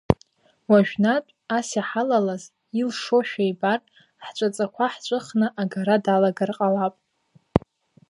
Уажәнатә ас иҳалалаз, илшошәа ибар, ҳҿаҵақәа ҳҿыхны агара далагар ҟалап.